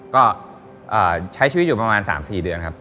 ก็ใช้ชีวิตอยู่ประมาณ๓๔เดือนครับ